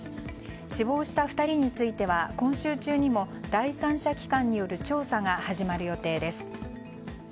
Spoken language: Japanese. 死亡した２人については今週中にも第三者機関による調査が始まる予定です。